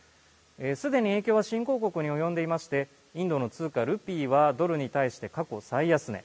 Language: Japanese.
すでに影響は新興国に及んでいましてインドの通貨ルピーはドルに対して過去最安値。